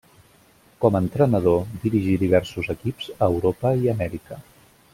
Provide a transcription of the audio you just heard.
Com a entrenador, dirigí diversos equips a Europa i Amèrica.